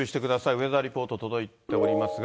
ウェザーリポート届いておりますが。